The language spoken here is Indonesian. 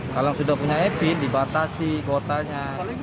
kalau sudah punya epin dibatasi kotanya